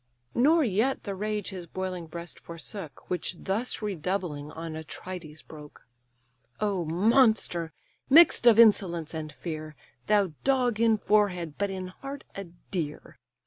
Nor yet the rage his boiling breast forsook, Which thus redoubling on Atrides broke: "O monster! mix'd of insolence and fear, Thou dog in forehead, but in heart a deer!